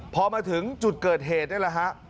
พอมาถึงจุดเกิดเหตุนี่แหละฮะ